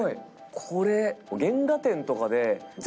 これ。